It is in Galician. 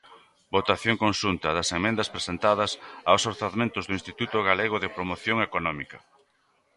Votación conxunta das emendas presentadas aos orzamentos do Instituto Galego de Promoción Económica.